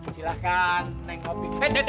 silahkan neng robby